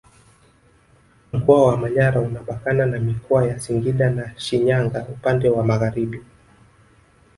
Mkoa wa Manyara unapakana na Mikoa ya Singida na Shinyanga upande wa magharibi